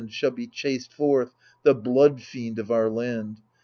Shall be chased forth the blood fiend of our land.